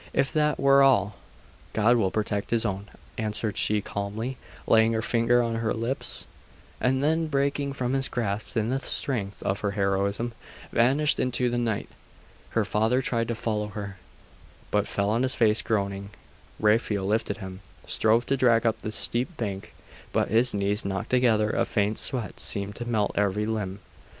'If that were all ' 'God will protect His own,' answered she calmly, laying her finger on her lips; and then breaking from his grasp in the strength of her heroism, vanished into the night. Her father tried to follow her, but fell on his face, groaning. Raphael lifted him, strove to drag up the steep bank: but his knees knocked together; a faint sweat seemed to melt every limb....